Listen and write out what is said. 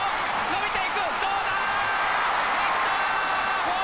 伸びていくどうだ！